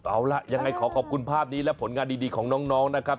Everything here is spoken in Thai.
เอาล่ะยังไงขอขอบคุณภาพนี้และผลงานดีของน้องนะครับ